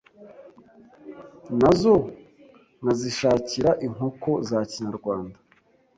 nazo nkazishakira inkoko za kinyarwanda,